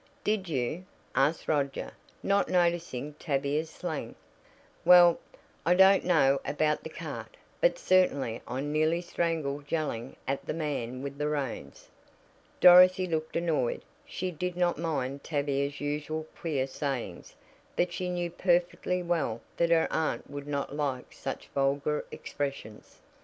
"Did you?" asked Roger, not noticing Tavia's slang. "Well, I don't know about the cart, but certainly I nearly strangled yelling at the man with the reins." Dorothy looked annoyed. She did not mind Tavia's usual queer sayings, but she knew perfectly well that her aunt would not like such vulgar expressions.